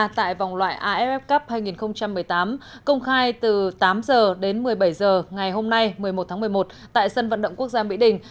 tại vòng loại aff cup hai nghìn một mươi tám công khai từ tám h đến một mươi bảy h ngày hôm nay một mươi một tháng một mươi một tại sân vận động quốc gia mỹ đình